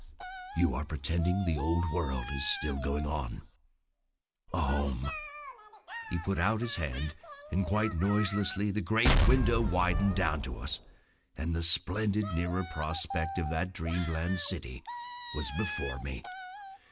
"You are pretending the old world is still going on. A home!" He put out his hand, and quite noiselessly the great window widened down to us, and the splendid nearer prospect of that dreamland city was before me.